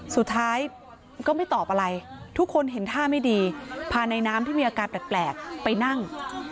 สุดท้ายก็ไม่ตอบอะไรทุกคนเห็นท่าไม่ดีพาในน้ำที่มีอาการแปลกไปนั่ง